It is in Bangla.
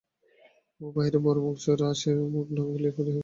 অপু বাহিরে বড় মুখ-চোরা, সে আর কিছু না বলিয়া বাড়ি ফিরিয়া গেল।